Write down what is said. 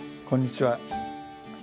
こんにちは。